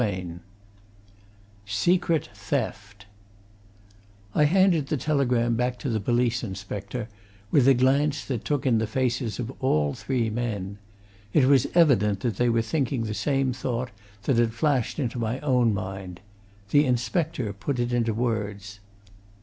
CHAPTER VI SECRET THEFT I handed the telegram back to the police inspector with a glance that took in the faces of all three men. It was evident that they were thinking the same thought that had flashed into my own mind. The inspector put it into words.